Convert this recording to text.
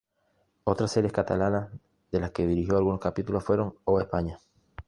Otras series catalanas de las que dirigió algunos capítulos fueron "Oh, Espanya!